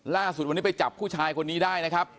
ล่าสุดวันนี้ไปจับผู้ชายคนนี้ได้นะครับ